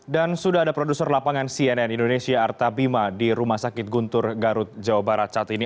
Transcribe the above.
dan sudah ada produser lapangan cnn indonesia arta bima di rumah sakit guntur garut jawa barat saat ini